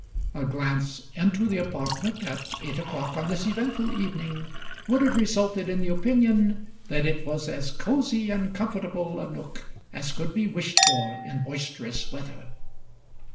A glance into the apartment at eight o'clock on this eventful evening would have resulted in the opinion that it was as cosey and comfortable a nook as could be wished for in boisterous weather.